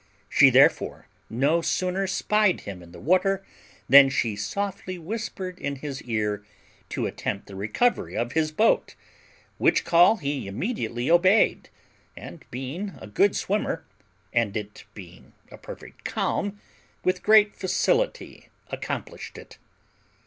She therefore no sooner spied him in the water than she softly whispered in his ear to attempt the recovery of his boat, which call he immediately obeyed, and, being a good swimmer, and it being a perfect calm, with great facility accomplished it.